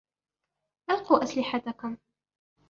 ألقوا أسلحتكم!